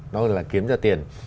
nó là kiếm ra tiền